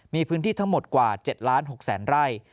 มีพื้นที่ทั้งหมดกว่า๗๖๐๐๐ไร่